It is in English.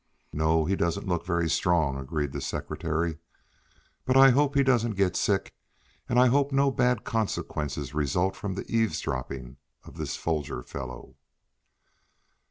"No, he doesn't look very strong," agreed the secretary. "But I hope he doesn't get sick, and I hope no bad consequences result from the eavesdropping of this Foger fellow."